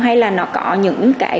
hay là nó có những cái